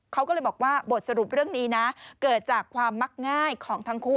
เขาก็เลยบอกว่าบทสรุปเรื่องนี้นะเกิดจากความมักง่ายของทั้งคู่